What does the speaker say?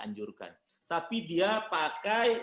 anjurkan tapi dia pakai